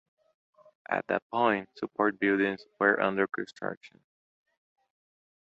At that point support buildings were under construction.